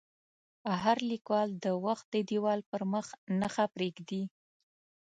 هر لیکوال د وخت د دیوال پر مخ نښه پرېږدي.